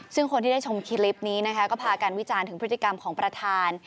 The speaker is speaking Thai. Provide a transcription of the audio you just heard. ซึ่งคนที่ได้ชมคลิปนี้นะคะก็พากันวิจารณ์ถึงพฤติกรรมของประธาน